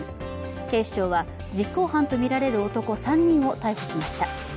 警視庁は実行犯とみられる男３人を逮捕しました。